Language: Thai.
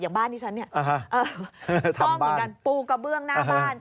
อย่างบ้านที่ฉันซ่อมเหมือนกันปูกระเบื้องหน้าบ้าน